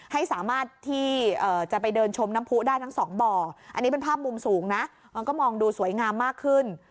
ให้สามารถที่จะไปเดินชมน้ำผู้ได้ทั้งสองบ่ออันนี้เป็นภาพมุมสูงนะมันก็มองดูสวยงามมากขึ้น